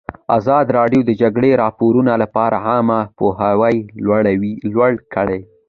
ازادي راډیو د د جګړې راپورونه لپاره عامه پوهاوي لوړ کړی.